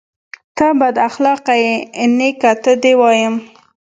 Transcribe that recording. _ته بد اخلاقه يې، نيکه ته دې وايم.